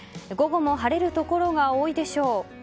午後も晴れるところが多いでしょう。